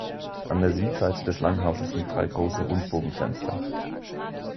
An der Südseite des Langhauses sind drei große Rundbogenfenster.